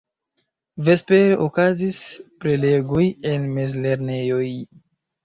Vespere okazis prelegoj en mezlernejoj.